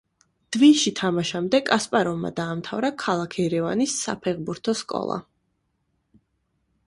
დვინში თამაშამდე, კასპაროვმა დაამთავრა ქალაქ ერევანის საფეხბურთო სკოლა.